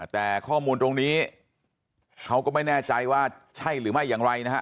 แต่ข้อมูลตรงนี้เขาก็ไม่แน่ใจว่าใช่หรือไม่อย่างไรนะฮะ